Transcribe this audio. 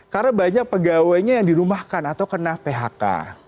karena banyak pegawainya yang dirumahkan atau kena phk